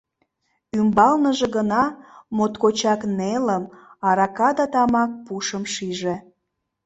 Ӱмбалныже гына моткочак нелым, арака да тамак пушым шиже.